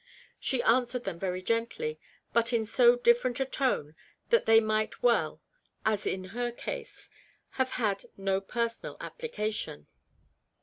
She answered them very gently, but in so different a tone that they might well, as in her case, have had no personal application.